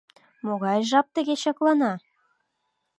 Могай жап тыге чаклана?